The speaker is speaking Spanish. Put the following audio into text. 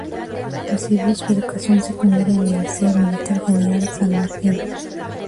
Recibió su educación secundaria en el Liceo Militar General San Martín.